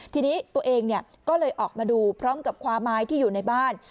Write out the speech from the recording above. ทีนี้ตัวเองก็เลยออกมาดูพร้อมกับคว้าไม้ที่อยู่ในบ้าน